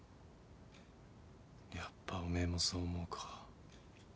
やっぱおめえもそう思うか。